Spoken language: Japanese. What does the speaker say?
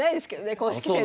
公式戦では。